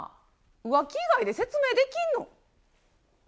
浮気以外で説明できんの？